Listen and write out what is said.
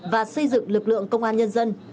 và xây dựng lực lượng công an nhân dân